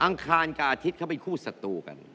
องคารกับอาทิตย์เขาเป็นคู่ศัตรูกัน